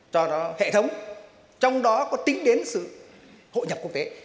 cho nó hệ thống trong đó có tính đến sự hội nhập quốc tế